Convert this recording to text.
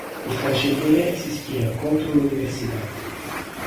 Il cancelliere si schiera contro l'Università.